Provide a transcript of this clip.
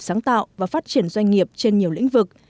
sáng tạo và phát triển doanh nghiệp trên nhiều lĩnh vực